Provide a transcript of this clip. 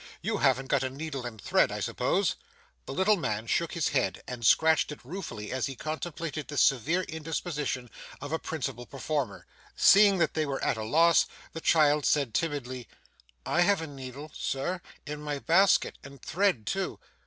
You haven't got a needle and thread I suppose?' The little man shook his head, and scratched it ruefully as he contemplated this severe indisposition of a principal performer. Seeing that they were at a loss, the child said timidly: 'I have a needle, Sir, in my basket, and thread too.